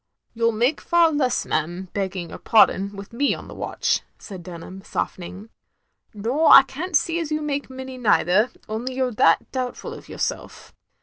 "You *11 make far less, ma'am, begging your pardon, with me on the watch," said Dunham, softening. "Nor I can't see as you make many neither, only you 're that doubtful of yourself.